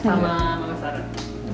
sama mbak sarah